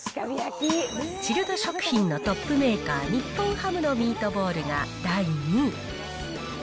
チルド食品のトップメーカー、日本ハムのミートボールが第２位。